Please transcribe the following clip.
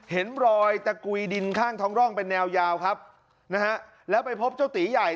เห็นรอยตะกุยดินข้างท้องร่องเป็นแนวยาวครับนะฮะแล้วไปพบเจ้าตีใหญ่